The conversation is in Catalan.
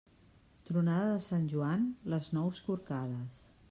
Tronada de Sant Joan, les nous corcades.